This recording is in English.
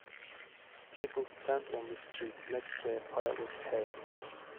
People stand on the street next to a pile of hay.